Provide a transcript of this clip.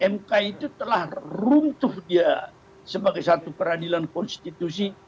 mk itu telah runtuh dia sebagai satu peradilan konstitusi